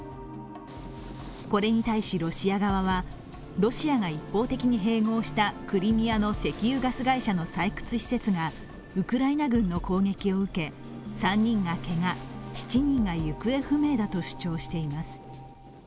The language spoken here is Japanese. これに対しロシア側は、ロシアが一方的に併合したクリミアの石油ガス会社の採掘施設がウクライナ軍の攻撃を受け３人がけが、７人が行方不明だと主張しています。